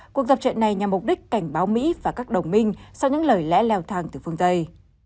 cuộc tập trận này nhằm mục đích cảnh báo mỹ và các đồng minh sau những lời lẽ leo thang từ phương tây